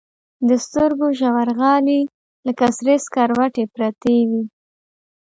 د سترګو ژورغالي لكه سرې سكروټې پرتې وي.